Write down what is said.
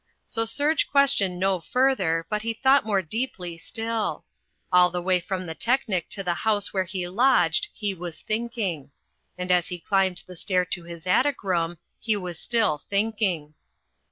So Serge questioned no further, but he thought more deeply still. All the way from the Teknik to the house where he lodged he was thinking. As he climbed the stair to his attic room he was still thinking.